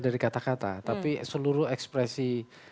dari kata kata tapi seluruh ekspresi